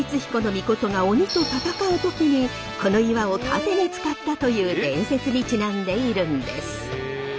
命が鬼と戦う時にこの岩を盾に使ったという伝説にちなんでいるんです。